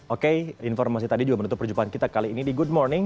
oke informasi tadi juga menutup perjumpaan kita kali ini di good morning